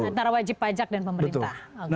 antara wajib pajak dan pemerintah